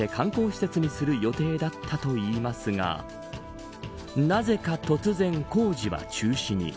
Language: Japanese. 見物客も集めて観光施設にする予定だったといいますがなぜか突然、工事は中止に。